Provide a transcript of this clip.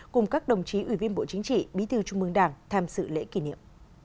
cùng các đồng chí ủy viên bộ chính trị bí thư trung mương đảng tham sự lễ kỷ niệm